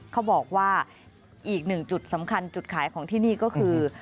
เขาบอกว่าอีกหนึ่งจุดสำคัญจุดขายของที่นี่ก็คือ